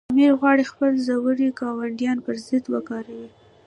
امیر غواړي خپل زورور ګاونډیان پر ضد وکاروي.